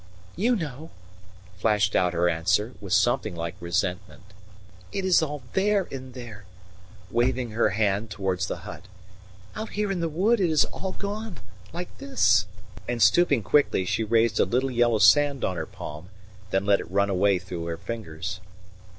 "You know!" flashed out her answer, with something like resentment. "It is all there in there," waving her hand towards the hut. "Out here in the wood it is all gone like this," and stooping quickly, she raised a little yellow sand on her palm, then let it run away through her fingers.